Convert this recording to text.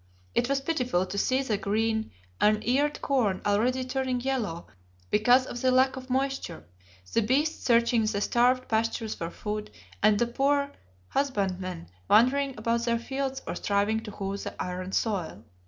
It was pitiful to see the green, uneared corn already turning yellow because of the lack of moisture, the beasts searching the starved pastures for food and the poor husbandmen wandering about their fields or striving to hoe the iron soil.